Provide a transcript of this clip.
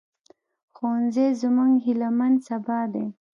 ښوونځی زموږ هيلهمن سبا دی